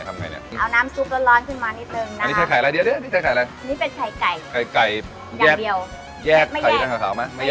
ทำยังไงเนี่ย